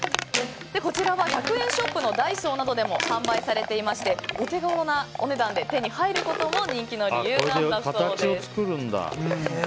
こちらは１００円ショップのダイソーなどでも販売されていましてお手頃なお値段で手に入ることも人気の理由だそうです。